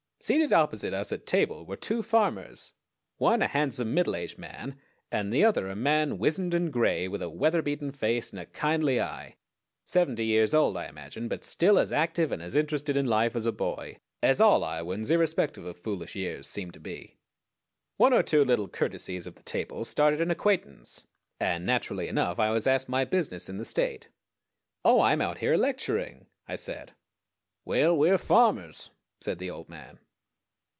Seated opposite us at table were two farmers, one a handsome middle aged man, and the other a man wizened and gray, with a weather beaten face, and a kindly eye; seventy years old, I imagine, but still as active and as interested in life as a boy, as all Iowans, irrespective of foolish years, seem to be. One or two little courtesies of the table started an acquaintance, and naturally enough I was asked my business in the State. "Oh, I am out here lecturing," I said. "Well, we're farmers," said the old man.